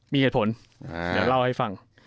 มีเหตุผลเดี๋ยวเล่าให้ฟัง